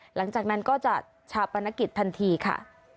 หลังจากนั้นก็จะชาปนกิจทันทีค่ะ